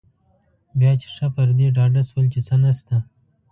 بیا چې ښه پر دې ډاډه شول چې څه نشته.